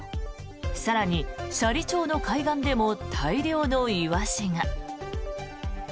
更に斜里町の海岸でも大量のイワシが。